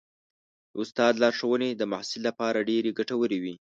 د استاد لارښوونې د محصل لپاره ډېرې ګټورې وي.